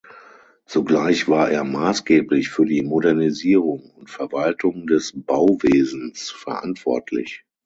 Zugleich war er maßgeblich für die Modernisierung und Verwaltung des Bauwesens verantwortlich.